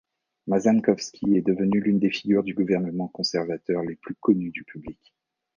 Mazankowski est devenu l'une des figures du gouvernement conservateur les plus connues du public.